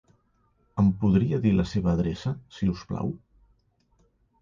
Em podria dir la seva adreça, si us plau?